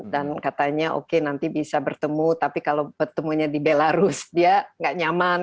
katanya oke nanti bisa bertemu tapi kalau bertemunya di belarus dia nggak nyaman